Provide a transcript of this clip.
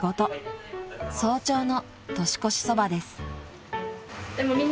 ［早朝の年越しそばです］